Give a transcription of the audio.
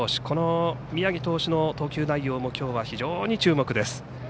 この宮城投手の投球内容もきょうは非常に注目です。